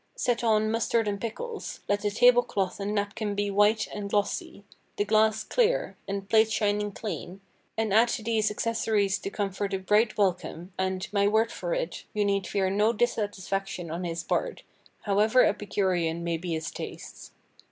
Set on mustard and pickles; let the table cloth and napkin be white and glossy; the glass clear, and plate shining clean; and add to these accessories to comfort a bright welcome, and, my word for it, you need fear no dissatisfaction on his part, however epicurean may be his tastes.